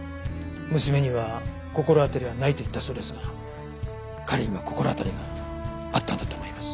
娘には心当たりはないと言ったそうですが彼には心当たりがあったんだと思います。